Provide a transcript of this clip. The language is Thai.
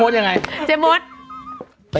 สู้ได้รูปได้ไหมคะ